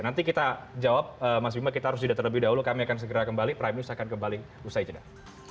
nanti kita jawab mas bima kita harus jeda terlebih dahulu kami akan segera kembali prime news akan kembali usai jeda